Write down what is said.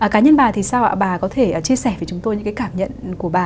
cá nhân bà thì sao ạ bà có thể chia sẻ với chúng tôi những cái cảm nhận của bà